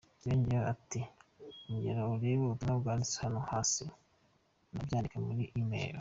Yongeyeho ati “Ongera urebe ubutumwa banditse hano hasi, banabyanditse muri E-mails.